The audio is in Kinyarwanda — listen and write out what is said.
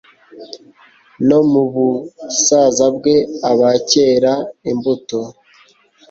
No mu busaza bwe aba akera imbuto